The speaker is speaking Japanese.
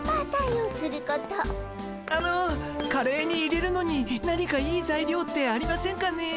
あのカレーに入れるのに何かいいざいりょうってありませんかね？